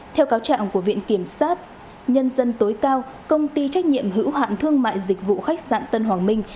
theo cáo trạng của viện kiểm sát nhân dân tối cao công ty trách nhiệm hữu hạn thương mại dịch vụ khách sạn tân hoàng minh